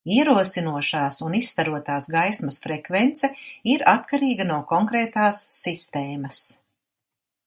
Ierosinošās un izstarotās gaismas frekvence ir atkarīga no konkrētās sistēmas.